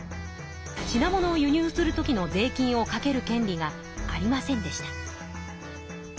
品物を輸入する時の税金をかけるけん利がありませんでした。